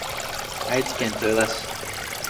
愛知県豊田市